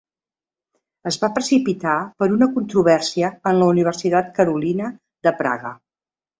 Es va precipitar per una controvèrsia en la Universitat Carolina de Praga.